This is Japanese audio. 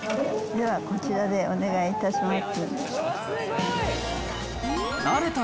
ではこちらでお願いいたします。